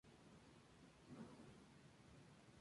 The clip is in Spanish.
Mide y juega en la posición de pívot.